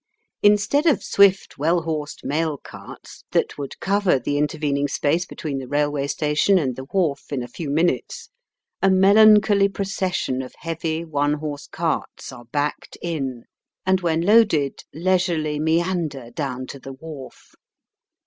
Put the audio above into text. Instead of swift well horsed mail carts, that would cover the intervening space between the railway station and the wharf in a few minutes, a melancholy procession of heavy one horse carts are backed in, and when loaded leisurely meander down to the wharf.